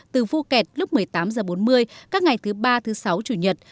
từ phuket lúc một mươi tám h bốn mươi các ngày thứ ba thứ sáu chủ nhật